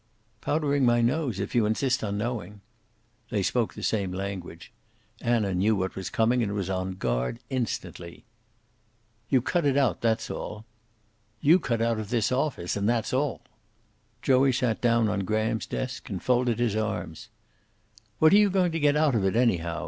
"Powdering my nose, if you insist on knowing." They spoke the same language. Anna knew what was coming, and was on guard instantly. "You cut it out, that's all." "You cut out of this office. And that's all." Joey sat down on Graham's desk and folded his arms. "What are you going to get out of it, anyhow?"